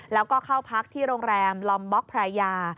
แล้วก็เข้าพักที่โรงแรมลอมบล็อกภรรยา